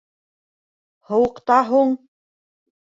— Һыуыҡта һуң?